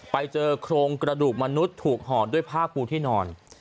ไปเจอโครงกระดูกมนุษย์ถูกห่อด้วยผ้าปูที่นอน